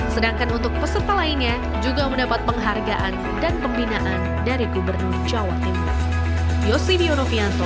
sedangkan untuk peserta lainnya juga mendapat penghargaan dan pembinaan dari gubernur jawa timur